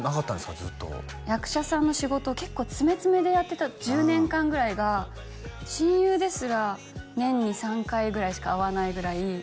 ずっと役者さんの仕事を結構詰め詰めでやってた１０年間ぐらいが親友ですら年に３回ぐらいしか会わないぐらい